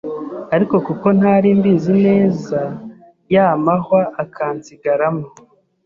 ariko kuko ntari mbizi neza ya mahwa akansigaramo